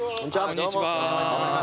こんにちは。